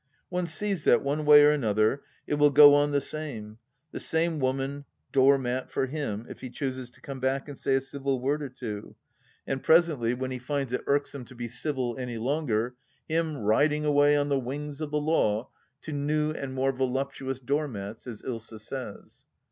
One sees that, one way or another, it will go on the same — the same woman door mat for Him if he chooses to come back and say a civil word or two, and presently, when He THE LAST DITCH 177 finds it irksome to be civil any longer, Him riding away on the wings of the law, " to new and more voluptuous door mats," as Ilsa says.